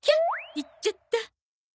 言っちゃった。